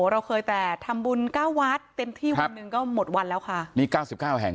เราเคยแต่ทำบุญเก้าวัดเต็มที่วันหนึ่งก็หมดวันแล้วค่ะนี่เก้าสิบเก้าแห่ง